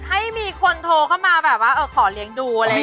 ให้มีคนโทรเข้ามาแบบว่าเออขอเลี้ยงดูแบบนี้